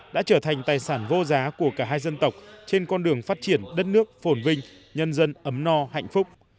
đã trở thành tài sản vô giá của cả hai dân tộc trên con đường phát triển đất nước phồn vinh nhân dân ấm no hạnh phúc